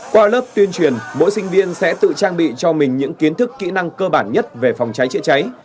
qua lớp tuyên truyền mỗi sinh viên sẽ tự trang bị cho mình những kiến thức kỹ năng cơ bản nhất về phòng cháy chữa cháy